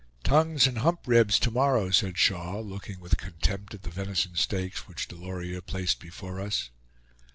"Tongues and hump ribs to morrow," said Shaw, looking with contempt at the venison steaks which Delorier placed before us.